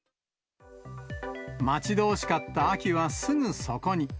待ち遠しかった秋はすぐそこに。